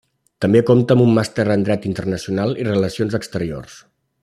També compta amb un màster en Dret Internacional i Relacions Exteriors.